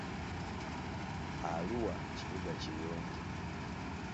Arua kibuga kiyonjo.